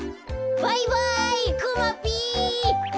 バイバイくまぴ！